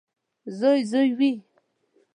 • زوی زوی وي.